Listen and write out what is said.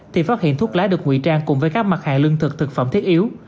thì phát hiện thuốc lá được nguy trang cùng với các mặt hàng lương thực thực phẩm thiết yếu